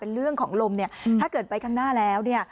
เป็นเรื่องของลมถ้าเกิดไปข้างหน้าแล้ว